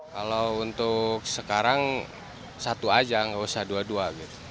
kalau untuk sekarang satu aja nggak usah dua dua